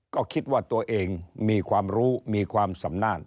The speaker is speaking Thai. ก็คิดว่าตัวเองมีความรู้มีความสำนาจ